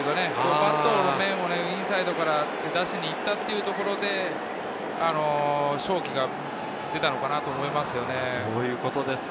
バットの面をインサイドから出しにいったというところで、勝機が出たのかなと思います。